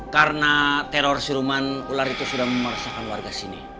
karena teror siluman ular itu sudah meresahkan warga sini